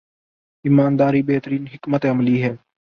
ایمان داری بہترین حکمت عملی ہے۔